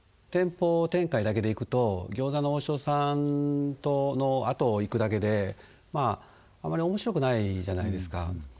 店舗展開だけでいくと餃子の王将さんのあとを行くだけであまり面白くないじゃないですか